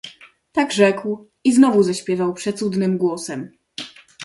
"Tak rzekł i znowu zaśpiewał przecudnym głosem."